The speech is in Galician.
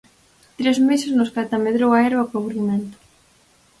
Tres meses nos que ata medrou a herba co aburrimento.